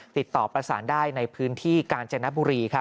ติดต่อประสานได้ในพื้นที่กาญจนบุรี